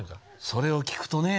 それを聞くとねぇ。